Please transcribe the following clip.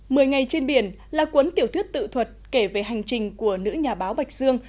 mười ngày trên biển là cuốn tiểu thuyết tự thuật kể về hành trình của nữ nhà báo bạch dương